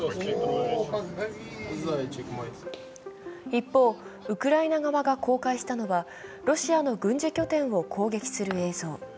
一方、ウクライナ側が公開したのはロシアの軍事拠点を攻撃する映像。